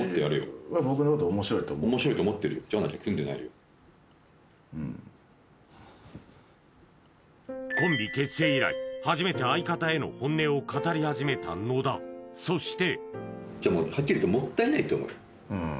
そううんコンビ結成以来初めて相方への本音を語り始めた野田そして